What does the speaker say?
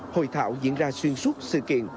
hội thảo diễn ra xuyên suốt sự kiện